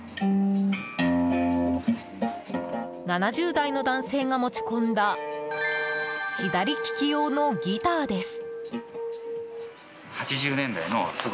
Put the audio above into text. ７０代の男性が持ち込んだ左利き用のギターです。